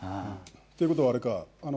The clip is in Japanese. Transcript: ていうことはあれか？